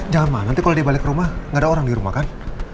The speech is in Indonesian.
jangan ma nanti kalau dia balik rumah gak ada orang di rumah kan